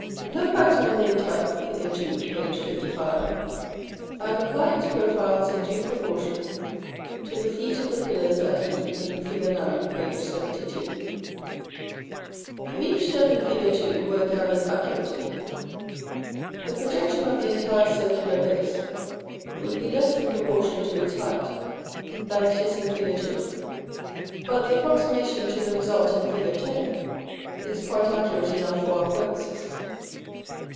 ]§ VI. Look back to the main type, Fig. II., page 55, and apply its profiles in due proportion to the feet of the pillars at E in Fig. IX. p. 72: If each step in Fig. II. were gathered accurately, the projection of the entire circular base would be less in proportion to its height than it is in Fig. II.; but the approximation to the result in Fig. X. is quite accurate enough for our purposes.